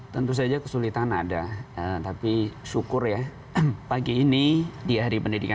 tentu saja kesulitan ada tapi syukur ya pagi ini di hari pendidikan